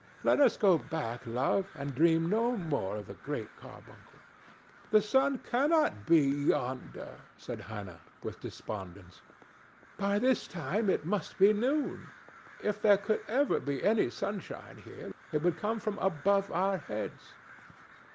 Let us go back, love, and dream no more of the Great Carbuncle." "The sun cannot be yonder," said Hannah, with despondence. "By this time it must be noon; if there could ever be any sunshine here, it would come from above our heads."